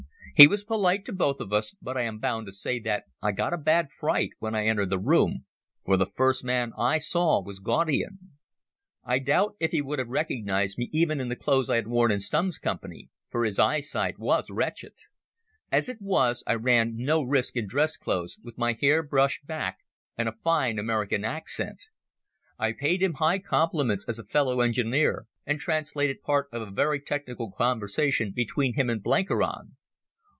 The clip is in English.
He was polite to both of us, but I am bound to say that I got a bad fright when I entered the room, for the first man I saw was Gaudian. I doubt if he would have recognized me even in the clothes I had worn in Stumm's company, for his eyesight was wretched. As it was, I ran no risk in dress clothes, with my hair brushed back and a fine American accent. I paid him high compliments as a fellow engineer, and translated part of a very technical conversation between him and Blenkiron.